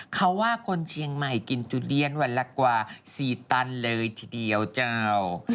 เขาว่าคนเชียงใหม่กินจุเรียนวันละกว่า๔ตันเลยทีเดียวเจ้า